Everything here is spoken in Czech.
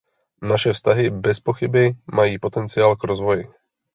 Naše vztahy bezpochyby mají potenciál k rozvoji.